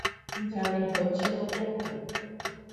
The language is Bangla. জামিন হচ্ছে না কেন?